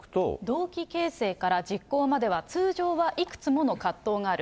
動機形成から実行までは通常はいくつもの葛藤がある。